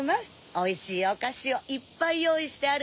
おいしいおかしをいっぱいよういしてあるよ。